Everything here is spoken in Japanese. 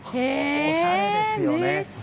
おしゃれですよね。